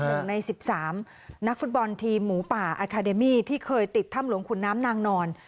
หนึ่งในสิบสามนักฟุตบอลทีมหมูป่าอาคาเดมี่ที่เคยติดถ้ำหลวงขุนน้ำนางนอน